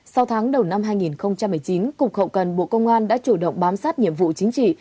sau tháng đầu năm hai nghìn một mươi chín cục hậu cần bộ công an đã chủ động bám sát nhiệm vụ chính trị